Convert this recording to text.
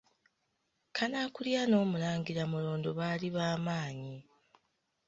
Kanaakulya n’Omulangira Mulondo bali bamanyi.